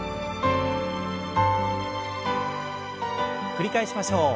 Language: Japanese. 繰り返しましょう。